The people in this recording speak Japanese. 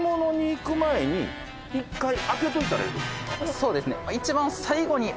そうですね。